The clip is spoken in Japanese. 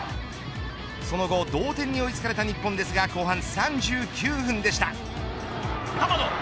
その後同点に追いつかれた日本ですが後半３９分でした。